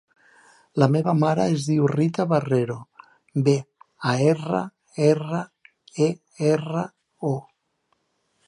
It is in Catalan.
La meva mare es diu Rita Barrero: be, a, erra, erra, e, erra, o.